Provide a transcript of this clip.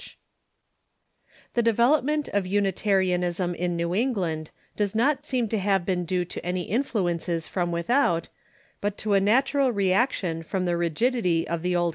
J The development of Unitarianism in New England does not seem to have been due to any influences from without, but to a natural reaction from the rigidity of the old Origin ^